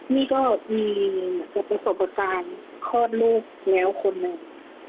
นี่ก็มีเหมือนกับประสบประการคลอดลูกแมวคนหนึ่ง